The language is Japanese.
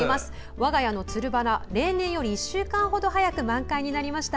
我が家のつるバラ例年より１週間ほど早く満開になりました。